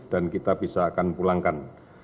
dan kita akan bisa pulangkan